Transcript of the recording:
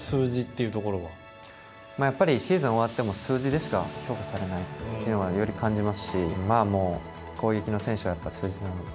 シーズン終わっても数字でしか評価されないというのはより感じますし攻撃の選手は数字なので。